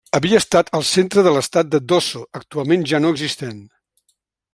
Havia estat el centre de l'estat de Dosso actualment ja no existent.